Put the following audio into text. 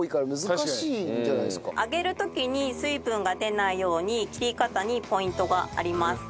揚げる時に水分が出ないように切り方にポイントがあります。